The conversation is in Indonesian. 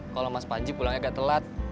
kalau mas panji pulangnya agak telat